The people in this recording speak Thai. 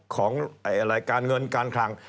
ของการเงินการคลัง